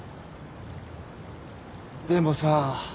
でもさ。